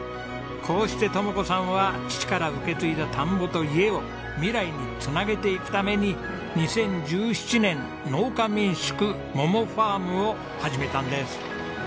こうして智子さんは父から受け継いだ田んぼと家を未来に繋げていくために２０１７年農家民宿ｍｏｍｏｆａｒｍを始めたんです。